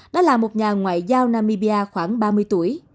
đó là một nhà ngoại giao namibia khoảng ba mươi tuổi